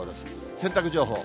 洗濯情報。